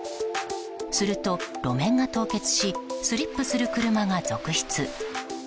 すると、路面が凍結しスリップする車が続出。